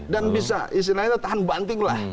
dan bisa istilahnya tahan banting lah